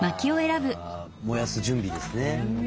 あ燃やす準備ですね。